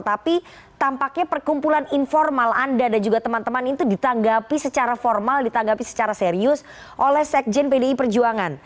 tapi tampaknya perkumpulan informal anda dan juga teman teman itu ditanggapi secara formal ditanggapi secara serius oleh sekjen pdi perjuangan